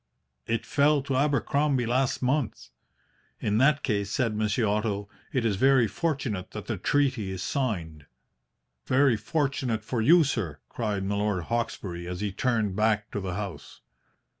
It fell to Abercrombie last month.' "'In that case,' said Monsieur Otto, 'it is very fortunate that the treaty is signed.' "'Very fortunate for you, sir,' cried Milord Hawkesbury, as he turned back to the house.